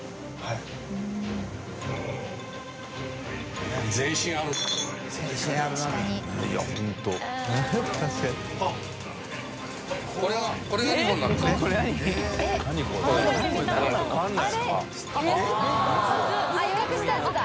劵譽帖予約したやつだ！